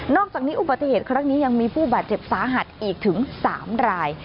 อกจากนี้อุบัติเหตุครั้งนี้ยังมีผู้บาดเจ็บสาหัสอีกถึง๓ราย